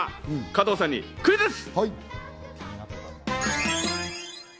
加藤さんにクイズッス！